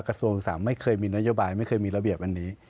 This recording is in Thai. กระทรวงศึกษาไม่เคยมีนโยบายไม่เคยมีระเบียบอันนี้